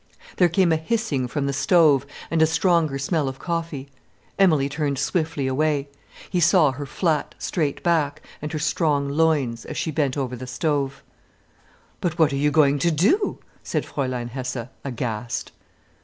There came a hissing from the stove, and a stronger smell of coffee. Emilie turned swiftly away. He saw her flat, straight back and her strong loins, as she bent over the stove. "But what are you going to do?" said Fräulein Hesse, aghast.